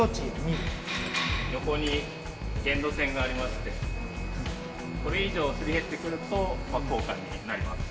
横に限度線がありましてこれ以上すり減ってくるとまあ交換になります